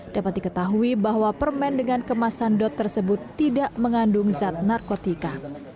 dapat diketahui bahwa permen dengan kemasan dot tersebut tidak mengandung zat narkotika